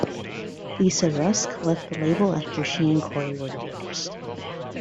Lisa Rusk left the label after she and Corey were divorced.